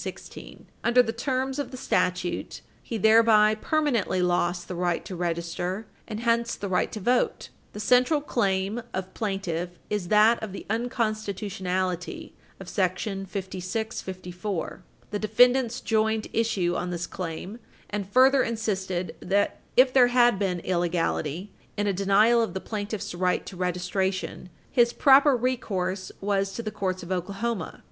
Under the terms of the statute, he thereby permanently lost the right to register, and hence the right to vote. The central claim of plaintiff is that of the unconstitutionality of § 5654. The defendants joined issue on this claim, and further insisted that, if there had been illegality Page 307 U. S. 272 in a denial of the plaintiff's right to registration, his proper recourse was to the courts of Oklahoma.